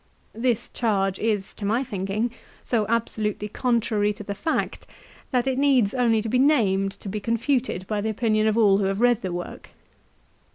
This charge is, to my thinking, so absolutely contrary to the fact that it needs only to be named to be confuted by the opinion of all who have read the work.